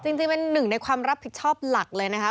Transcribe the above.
จริงเป็นหนึ่งในความรับผิดชอบหลักเลยนะคะ